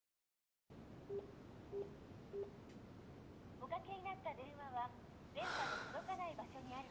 おかけになった電話は電波の届かない場所に。